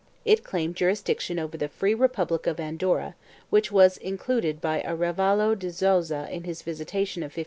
It claimed jurisdiction over the free Republic of Andorra, which was included by Arevalo de Zuazo in his visitation of 1595.